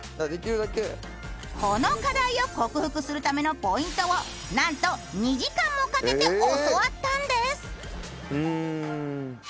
この課題を克服するためのポイントをなんと２時間もかけて教わったんです。